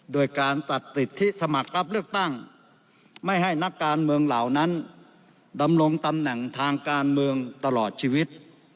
โดยการตัดสิทธิสมัครรับเลือกตั้งไม่ให้นักการเมืองเหล่านั้นดำรงตำแหน่งทางการเมืองตลอดชีวิต